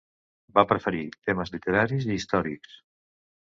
Va preferir temes literaris i històrics.